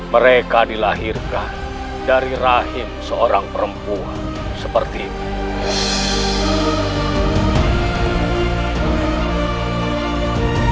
mereka dilahirkan dari rahim seorang perempuan seperti itu